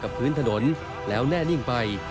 พื้นถนนแล้วแน่นิ่งไป